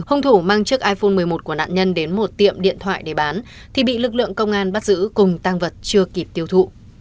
hung thủ mang chiếc iphone một mươi một của nạn nhân đến một tiệm điện thoại để bán thì bị lực lượng công an bắt giữ cùng tăng vật chưa kịp tiêu thụ